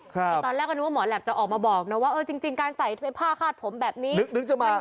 ครับแต่ตอนแรกก็นึกว่าหมอแหลปจะออกมาบอกนะว่าเออจริงจริงการใส่ผ้าฆาตผมแบบนี้นึกนึกจะมา